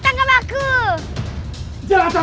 jangan klarir medan